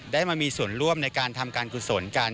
ได้มามีส่วนร่วมในการทำการกุศลกัน